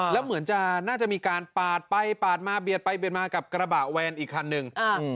แล้วเหมือนจะน่าจะมีการปาดไปปาดมาเบียดไปเบียดมากับกระบะแวนอีกคันนึง